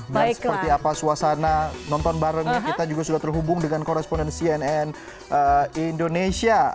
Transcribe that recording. seperti apa suasana nonton bareng kita juga sudah terhubung dengan koresponden cnn indonesia